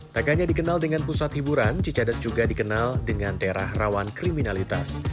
tak hanya dikenal dengan pusat hiburan cicadat juga dikenal dengan daerah rawan kriminalitas